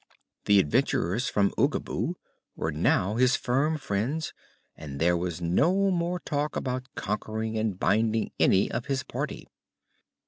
The adventurers from Oogaboo were now his firm friends, and there was no more talk about conquering and binding any of his party.